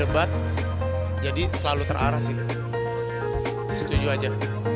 debat jadi selalu terarah sih setuju aja